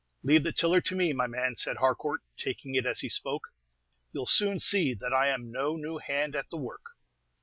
"Leave the tiller to me, my man," said Harcourt, taking it as he spoke. "You 'll soon see that I 'm no new hand at the work."